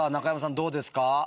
どうですか？